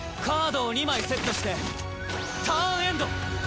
カードを２枚セットしてターンエンド！！